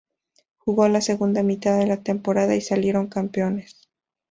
Jugó la segunda mitad de la temporada y salieron campeones.